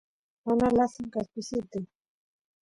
mana lasan kaspisitu